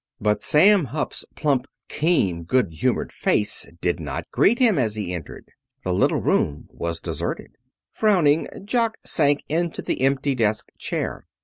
But Sam Hupp's plump, keen, good humored face did not greet him as he entered. The little room was deserted. Frowning, Jock sank into the empty desk chair.